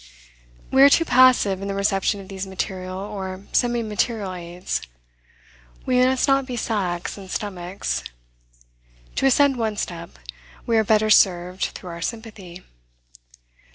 We are too passive in the reception of these material or semi material aids. We must not be sacks and stomachs. To ascend one step, we are better served through our sympathy.